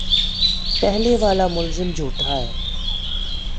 پہلے والا ملازم جھوٹا ہے